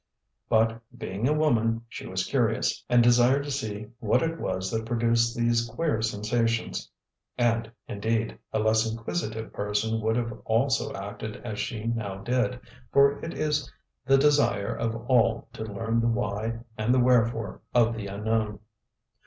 But, being a woman, she was curious, and desired to see what it was that produced these queer sensations. And, indeed, a less inquisitive person would have also acted as she now did, for it is the desire of all to learn the why and the wherefore of the unknown.